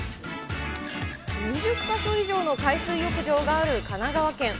２０か所以上の海水浴場がある神奈川県。